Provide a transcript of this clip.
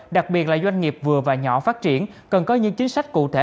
đặc biệt là doanh nghiệp vừa và nhỏ phát triển cần có những chính sách cụ thể